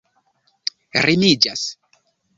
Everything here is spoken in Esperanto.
rimiĝas